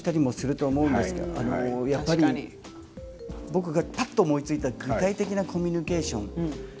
僕がぱっと思いついた具体的なコミュニケーション。